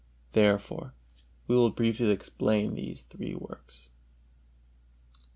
Therefore, we will briefly explain these three works. II.